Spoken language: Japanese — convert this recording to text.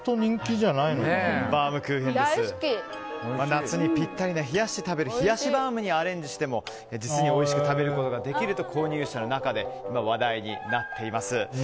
夏にぴったりな冷やして食べる冷やしバウムにアレンジしても、実においしく食べることができると購入者の中で話題になっています。